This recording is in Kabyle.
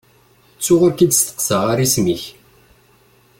Ttuɣ ur k-id-steqsaɣ ara isem-ik.